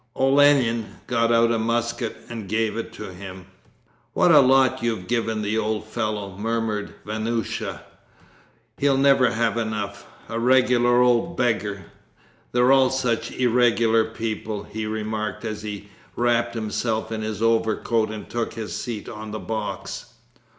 Olenin got out a musket and gave it to him. 'What a lot you've given the old fellow,' murmured Vanyusha, 'he'll never have enough! A regular old beggar. They are all such irregular people,' he remarked, as he wrapped himself in his overcoat and took his seat on the box.